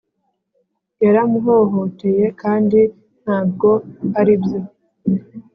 yaramuhohoteye kndi ntabwo aribyo